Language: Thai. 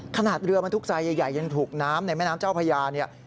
ขนาดเรือบรรทุกทรายใหญ่ยังถูกน้ำในแม่น้ำเจ้าพญาเนี่ย